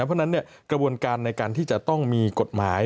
เพราะฉะนั้นกระบวนการในการที่จะต้องมีกฎหมาย